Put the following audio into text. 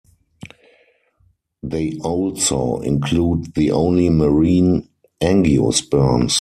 They also include the only marine angiosperms.